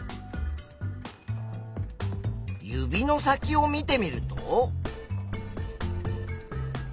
指の先を見てみると。